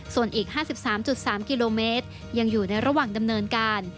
ส่วนอีก๕๓๓กิโลเมตรยังอยู่ในระหว่างดำเนินการ